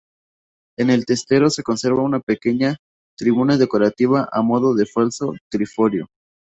En el testero se conserva una pequeña tribuna decorativa, a modo de falso triforio.